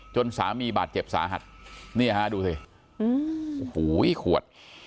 สามีบาดเจ็บสาหัสนี่ฮะดูสิโอ้โหขวด